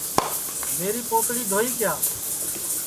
میری پوتڑی دھوئی کیا